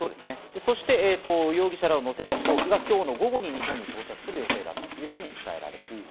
そして容疑者らを乗せた飛行機が今日の午後に日本に到着する予定だというふうに伝えられています。